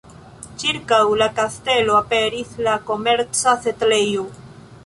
Ĉirkaŭ la kastelo aperis la komerca setlejo.